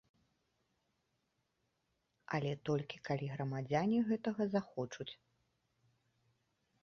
Але толькі калі грамадзяне гэтага захочуць.